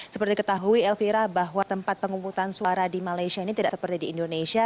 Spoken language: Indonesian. seperti ketahui elvira bahwa tempat pengumputan suara di malaysia ini tidak seperti di indonesia